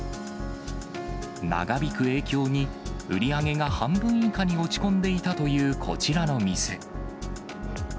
長引く影響に、売り上げが半分以下に落ち込んでいたというこちらの店。